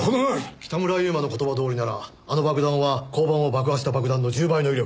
北村悠馬の言葉どおりならあの爆弾は交番を爆破した爆弾の１０倍の威力がある。